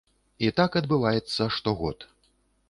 І так адбываецца штогод.